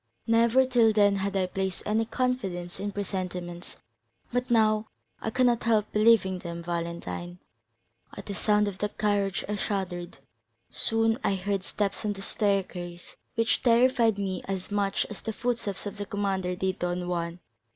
Never, till then, had I placed any confidence in presentiments, but now I cannot help believing them, Valentine. At the sound of that carriage I shuddered; soon I heard steps on the staircase, which terrified me as much as the footsteps of the commander did Don Juan.